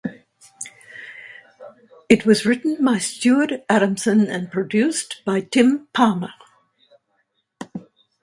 It was written by Stuart Adamson and produced by Tim Palmer.